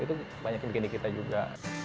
itu banyak yang bikin di kita juga